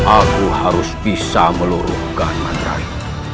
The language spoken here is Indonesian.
aku harus bisa meluruhkan materi